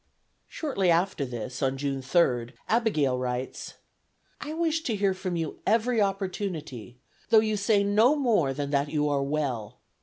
Shortly after this, on June 3d, Abigail writes: "I wish to hear from you every opportunity, though you say no more than that you are well.